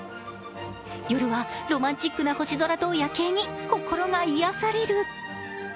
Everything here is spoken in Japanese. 夜はロマンチックな星空と夜景に心が癒やされる。